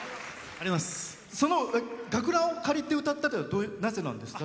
その学ランを借りて歌ったのはどうしてなんですか？